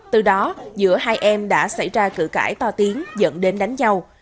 từ đó giữa hai em đã xảy ra cử cãi to tiếng dẫn đến đánh nhau